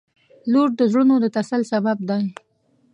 • لور د زړونو د تسل سبب دی.